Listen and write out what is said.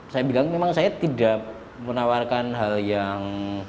saya bilang memang saya tidak menawarkan hal yang